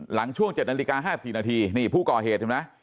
หลังช่วง๗นาฬิกา๕สี่นาทีผู้ก่อเหตุ